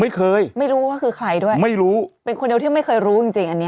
ไม่รู้ว่าคือใครด้วยไม่รู้เป็นคนเดียวที่ไม่เคยรู้จริงจริงอันนี้